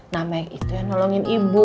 nah mike itu yang nolongin ibu